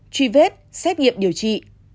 truy vết xét nghiệm điều trị